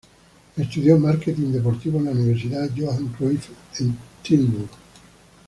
Estudió marketing deportivo en la Universidad Johan Cruyff en Tilburg.